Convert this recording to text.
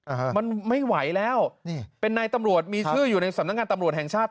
อ่าฮะมันไม่ไหวแล้วนี่เป็นนายตำรวจมีชื่ออยู่ในสำนักงานตำรวจแห่งชาติ